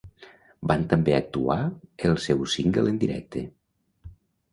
Van també actuar el seu single en directe.